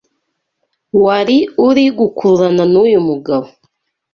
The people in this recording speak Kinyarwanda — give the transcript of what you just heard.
wari uri gukururana n’uyu mugabo